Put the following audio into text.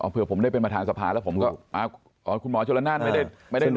เผื่อผมได้เป็นประธานสภาแล้วผมก็อ๋อคุณหมอชนละนานไม่ได้